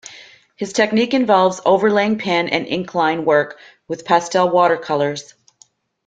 His technique involves overlaying pen and ink line work with pastel watercolors.